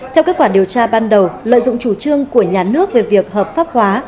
theo kết quả điều tra ban đầu lợi dụng chủ trương của nhà nước về việc hợp pháp hóa